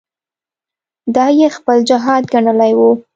دا یې خپل جهاد ګڼلی وو.